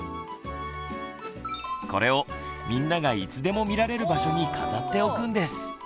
これをみんながいつでも見られる場所に飾っておくんです。